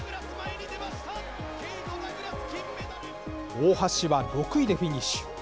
大橋は６位でフィニッシュ。